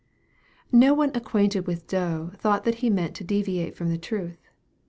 No one acquainted with Doe thought that he meant to deviate from the truth.